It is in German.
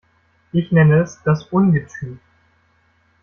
Ich nenne es das Ungetüm.